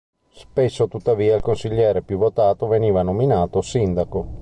Spesso tuttavia il consigliere più votato veniva nominato sindaco.